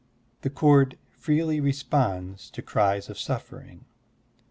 The cord freely responds to cries of suffering.